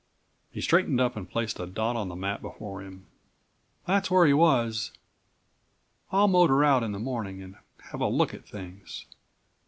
He straightened up and placed a dot on the map before him. "That's where he was. I'll motor out in the morning and have a look at things.